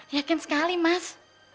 yakin sekali mas